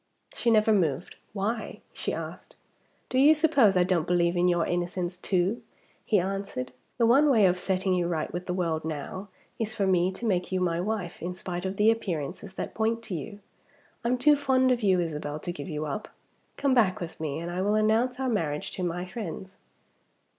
She never moved. "Why?" she asked. "Do you suppose I don't believe in your innocence too?" he answered. "The one way of setting you right with the world now is for me to make you my wife, in spite of the appearances that point to you. I'm too fond of you, Isabel, to give you up. Come back with me, and I will announce our marriage to my friends."